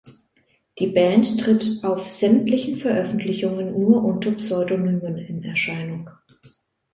Die Band tritt auf sämtlichen Veröffentlichungen nur unter Pseudonymen in Erscheinung.